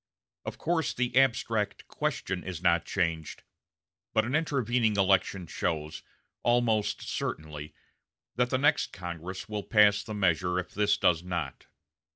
Of course the abstract question is not changed, but an intervening election shows, almost certainly, that the next Congress will pass the measure if this does not.